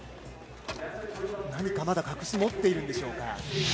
何かまだ隠し持っているんでしょうか。